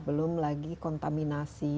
belum lagi kontaminasi